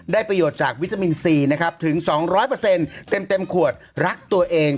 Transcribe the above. ประโยชน์จากวิตามินซีนะครับถึง๒๐๐เต็มขวดรักตัวเอง